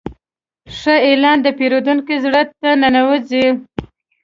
ښه اعلان د پیرودونکي زړه ته ننوځي.